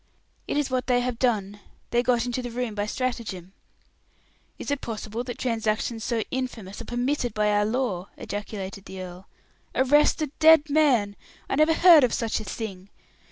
"It is what they have done. They got into the room by stratagem." "Is it possible that transactions so infamous are permitted by our law?" ejaculated the earl. "Arrest a dead man! I never heard of such a thing.